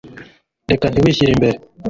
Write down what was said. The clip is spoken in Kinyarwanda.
reka ntitwishyire imbere